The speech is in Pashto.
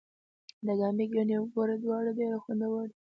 د کامې ګني او ګوړه دواړه ډیر خوندور دي.